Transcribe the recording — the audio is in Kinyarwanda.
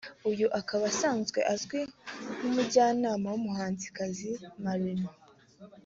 uyu akaba asanzwe azwi nk’umujyanama w’umuhanzikazi Marina